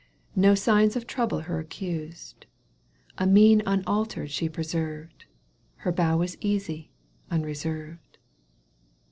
No signs of trouble her accused, A mien unaltered she preserved. Her bow was easy, unreserved.